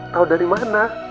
tau dari mana